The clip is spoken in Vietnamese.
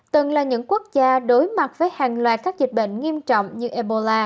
từng là những quốc gia đối mặt với hàng loạt các dịch bệnh nghiêm trọng như ebola